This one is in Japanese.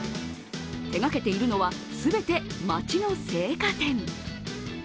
手がけているのは、すべて街の青果店。